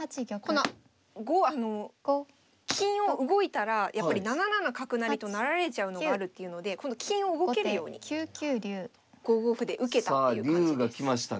あの金を動いたらやっぱり７七角成と成られちゃうのがあるっていうのでこの金を動けるように５五歩で受けたっていう感じですね。